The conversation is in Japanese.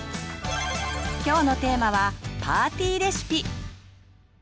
今日のテーマは「パーティーレシピ」。